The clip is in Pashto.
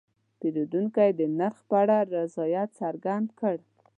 پیرودونکی د نرخ په اړه رضایت څرګند کړ.